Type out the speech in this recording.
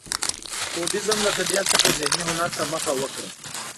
کوبیزم له طبیعت څخه ذهني هنر ته مخه وکړه.